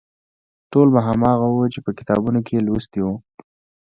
ټول به هماغه و چې په کتابونو کې یې لوستي وو.